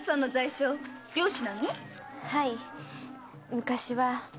昔は。